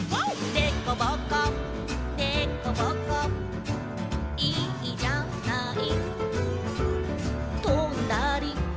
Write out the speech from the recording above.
「でこぼこでこぼこいいじゃない」